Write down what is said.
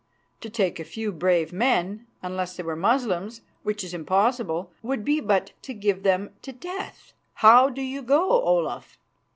To take a few brave men, unless they were Moslems, which is impossible, would be but to give them to death. How do you go, Olaf?"